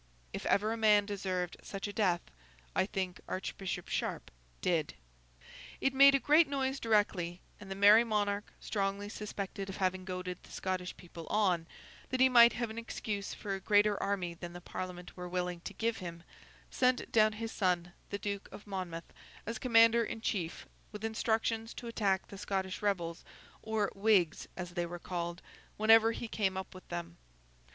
If ever a man deserved such a death, I think Archbishop Sharp did. It made a great noise directly, and the Merry Monarch—strongly suspected of having goaded the Scottish people on, that he might have an excuse for a greater army than the Parliament were willing to give him—sent down his son, the Duke of Monmouth, as commander in chief, with instructions to attack the Scottish rebels, or Whigs as they were called, whenever he came up with them.